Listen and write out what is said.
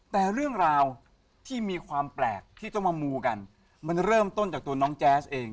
แต่เรื่องราวที่มีความแปลกที่ต้องมามูกันมันเริ่มต้นจากตัวน้องแจ๊สเอง